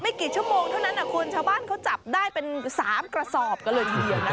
กี่ชั่วโมงเท่านั้นนะคุณชาวบ้านเขาจับได้เป็น๓กระสอบกันเลยทีเดียวนะ